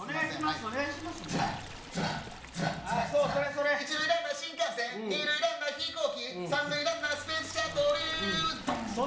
そうそうそれそれ１塁ランナー新幹線２塁ランナー飛行機３塁ランナースペースシャトルドン！